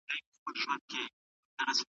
حقیقت ته غاړه کېږدئ.